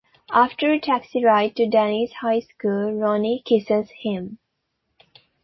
After a taxi ride to Danny's high school, Ronnie kisses him.